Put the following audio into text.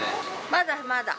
まだまだ。